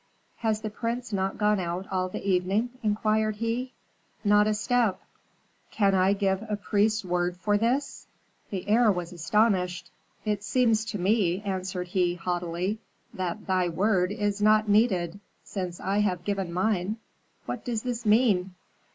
"Has the prince not gone out all the evening?" inquired he. "Not a step." "Can I give a priest's word for this?" The heir was astonished. "It seems to me," answered he, haughtily, "that thy word is not needed, since I have given mine. What does this mean?"